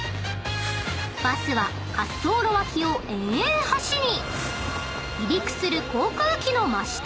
［バスは滑走路脇を延々走り］